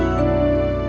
lumpuhkan todo vita nya